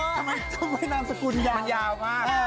ทำไมนามสกุลยาวมาก